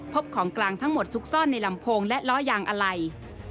พบของกลางทั้งหมดซุกซ่อนในลำโพงและล้อยางอะไหล่